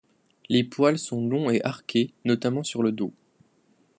Les poils sont longs et arqués, notamment sur le dos.